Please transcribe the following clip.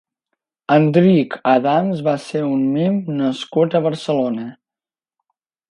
Enric Adams va ser un mim nascut a Barcelona.